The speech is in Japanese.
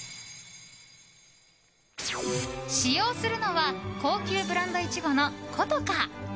使用するのは高級ブランドイチゴの古都華。